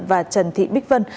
và trần thị bích vân